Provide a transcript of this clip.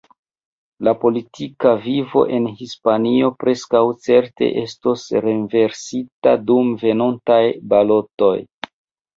La politika vivo en Hispanio preskaŭ certe estos renversita dum venontaj balotoj.